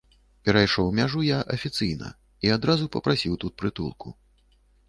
Перайшоў мяжу я афіцыйна і адразу папрасіў тут прытулку.